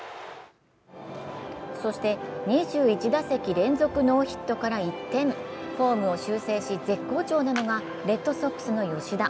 そして２１打席連続ノーヒットから一転、フォームを修正し、絶好調なのがレッドソックスの吉田。